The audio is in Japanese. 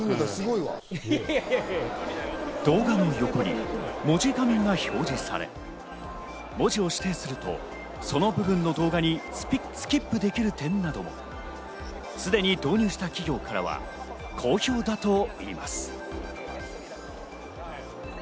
動画の横に文字画面が表示され、文字を指定すると、その部分の動画にスキップできる点など、すでに導入した企業からは好評だといいます。